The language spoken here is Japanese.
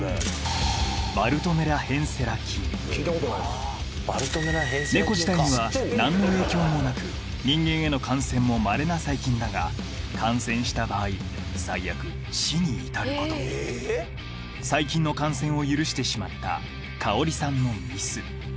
それ聞いたことないな猫自体にはなんの影響もなく人間への感染もまれな細菌だが感染した場合最悪死に至ることも細菌の感染を許してしまった香織さんのミス